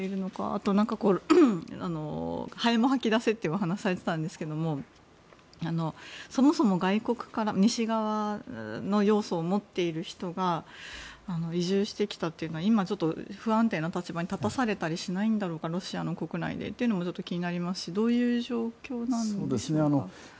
あと、ハエも吐き出せってお話をされてたんですけどもそもそも外国から西側の要素を持っている人が移住してきたというのは今不安定な立場に立たされたりしないんだろうかロシアの国内でというのも気になりますしどういう状況なんでしょうか。